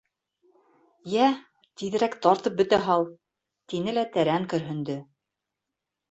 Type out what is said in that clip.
— Йә, тиҙерәк тартып бөтә һал, — тине лә тәрән көрһөндө.